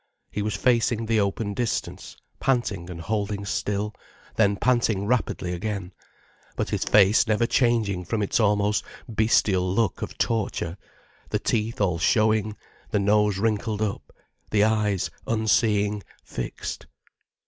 He was facing the open distance, panting, and holding still, then panting rapidly again, but his face never changing from its almost bestial look of torture, the teeth all showing, the nose wrinkled up, the eyes, unseeing, fixed.